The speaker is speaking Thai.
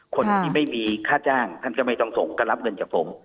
คนที่ไม่มีค่าจ้างท่านก็ไม่ต้องส่งก็รับเงินจากผม